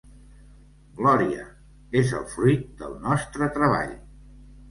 Glòria, és el fruit del nostre treball!